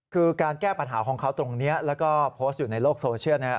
คือการแก้ปัญหาของเขาตรงนี้แล้วก็โพสต์อยู่ในโลกโซเชียลนะครับ